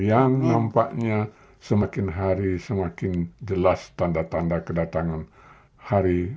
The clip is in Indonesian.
yang nampaknya semakin hari semakin jelas tanda tanda kedatangan hari